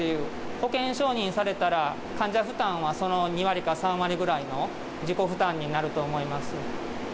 保険承認されたら、患者負担はその２割か３割ぐらいの自己負担になると思います。